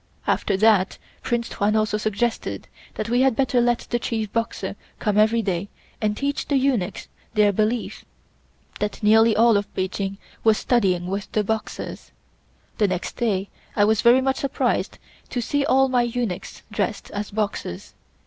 After that Prince Tuan also suggested that we had better let the chief Boxer come every day and teach the eunuchs their belief; that nearly all of Peking was studying with the Boxers. The next day I was very much surprised to see all my eunuchs dressed as Boxers.